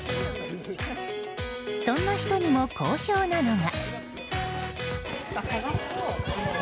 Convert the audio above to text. そんな人にも好評なのが。